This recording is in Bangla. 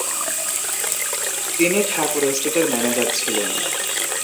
তিনি ঠাকুর এস্টেটের ম্যানেজার ছিলেন।